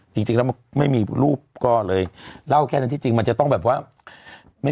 อยู่ที่ไม่มีรูปก็เลยเล่าแค่ที่จริงมันจะต้องแบบว่าไม่